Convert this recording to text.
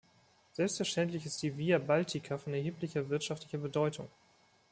Selbstverständlich ist die Via Baltica von erheblicher wirtschaftlicher Bedeutung.